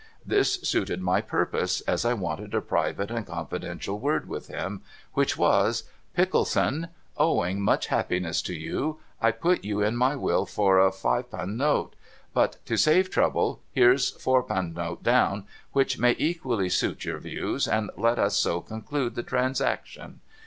This suited my purpose, as I wanted a private and confidential word with him, which was :' Pickleson. Owing much happiness to you, I put you in my will for a fypunnote ; but, to save trouble, here's fourpunten down, which may equally suit your views, and let us so conclude the transaction.'